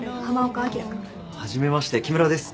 初めまして木村です。